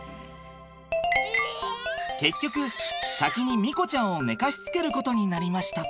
結局先に美瑚ちゃんを寝かしつけることになりました。